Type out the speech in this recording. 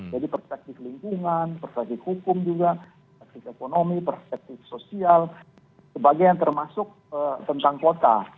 jadi perspektif lingkungan perspektif hukum juga perspektif ekonomi perspektif sosial sebagainya termasuk tentang kota